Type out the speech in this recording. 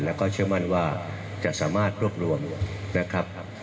แล้วก็เชื่อมั่นว่าจะสามารถรวบรวมนะครับ